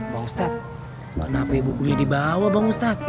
bang ustadz kenapa ibu kuliah dibawa bang ustadz